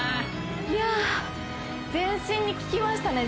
いやぁ全身に効きましたね